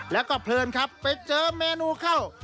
แล้วก็เพลินครับไปเจอเมนูเข้า